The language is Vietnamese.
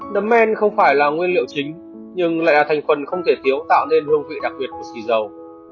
nấm men không phải là nguyên liệu chính nhưng lại là thành phần không thể thiếu tạo nên hương vị đặc biệt của xì dầu